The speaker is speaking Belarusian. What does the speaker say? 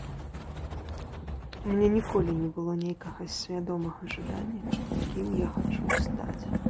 У мяне ніколі не было нейкага свядомага жадання, кім я хачу стаць.